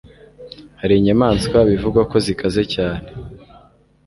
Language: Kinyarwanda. Hari inyamaswa bivugwa ko zikaze cyane